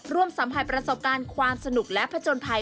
ร่วมสำหรับประสบการณ์ความสนุกและผจญภัย